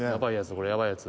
これヤバいやつ。